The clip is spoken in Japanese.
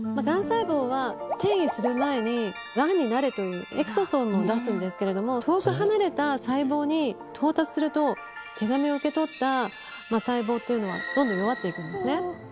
がん細胞は転移する前にがんになれというエクソソームを出すんですけれども、遠く離れた細胞に到達すると、手紙を受け取った細胞というのは、どんどん弱っていくんですね。